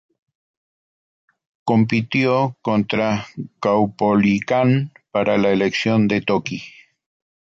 Compitió contra Caupolicán para la elección de toqui.